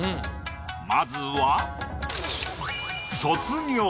まずは。